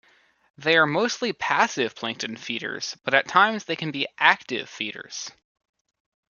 They are mostly passive plankton feeders, but at times they can be active feeders.